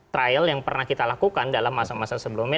trial yang pernah kita lakukan dalam masa masa sebelumnya